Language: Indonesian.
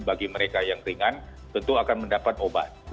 bagi mereka yang ringan tentu akan mendapat obat